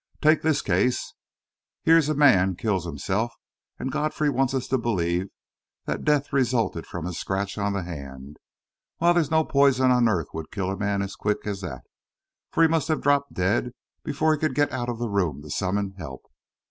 Take this case. Here's a man kills himself, and Godfrey wants us to believe that death resulted from a scratch on the hand. Why, there's no poison on earth would kill a man as quick as that for he must have dropped dead before he could get out of the room to summon help.